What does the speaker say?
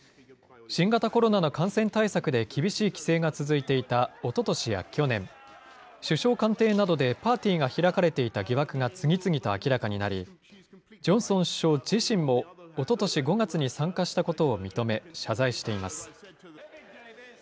新型コロナの感染対策で厳しい規制が続いていたおととしや去年、首相官邸などでパーティーが開かれていた疑惑が次々と明らかになり、ジョンソン首相自身もおととし５月に参加したことを認め、謝罪しています。